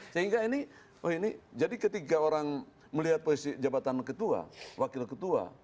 sehingga ini oh ini jadi ketika orang melihat posisi jabatan ketua wakil ketua